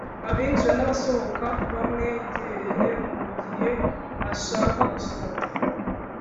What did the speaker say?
abinjira n abasohohoka bamwegereye mu gihe ashaka gusohoka